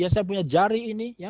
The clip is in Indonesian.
saya punya jari ini